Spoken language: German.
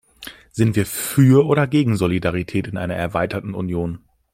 Sind wir für oder gegen Solidarität in einer erweiterten Union?